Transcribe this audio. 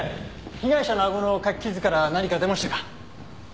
被害者のあごのかき傷から何か出ましたか？